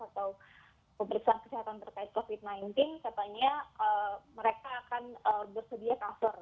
atau pemeriksaan kesehatan terkait covid sembilan belas katanya mereka akan bersedia cover